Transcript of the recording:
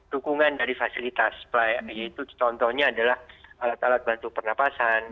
dukungan dari fasilitas yaitu contohnya adalah alat alat bantu pernapasan